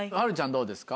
どうですか？